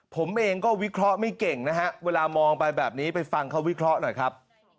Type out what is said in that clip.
ผมเองก็วิเคราะห์ไม่เก่งนะฮะเวลามองไปแบบนี้ไปฟังเขาวิเคราะห์หน่อยครับ